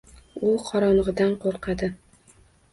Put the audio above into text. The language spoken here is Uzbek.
U qorong`idan qo`rqadi